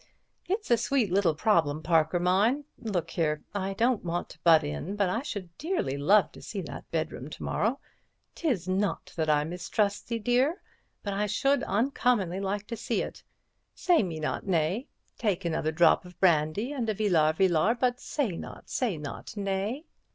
It's a sweet little problem, Parker mine. Look here, I don't want to butt in, but I should dearly love to see that bedroom to morrow. 'Tis not that I mistrust thee, dear, but I should uncommonly like to see it. Say me not nay—take another drop of brandy and a Villar Villar, but say not, say not nay!"